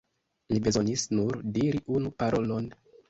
Mi bezonis nur diri unu parolon.